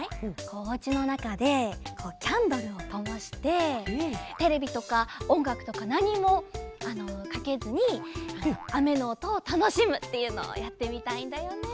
おうちのなかでキャンドルをともしてテレビとかおんがくとかなにもかけずにあめのおとをたのしむっていうのをやってみたいんだよね。